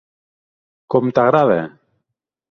Com t'agrada?